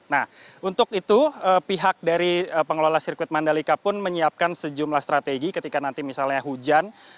nah untuk itu pihak dari pengelola sirkuit mandalika pun menyiapkan sejumlah strategi ketika nanti misalnya hujan